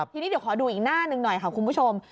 ทีนี้เดี๋ยวขอดูอีกหน้าหนึ่งหน่อยค่ะคุณผู้ชม